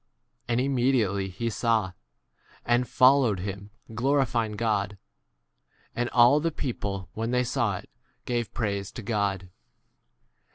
43 And immediately he saw, and fol lowed him, glorifying God. And all the people when they saw it gave praise to God.